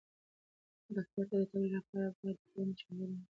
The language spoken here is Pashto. ډاکټر ته د تګ لپاره باید له وړاندې چمتووالی ونیول شي.